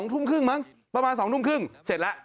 ทุ่มครึ่งมั้งประมาณ๒ทุ่มครึ่งเสร็จแล้ว